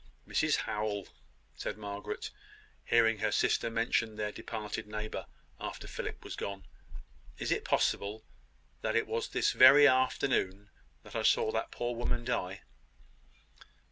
"Mrs Howell!" said Margaret, hearing her sister mention their departed neighbour, after Philip was gone. "Is it possible that it was this very afternoon that I saw that poor woman die?"